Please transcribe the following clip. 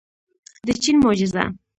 د چین معجزه.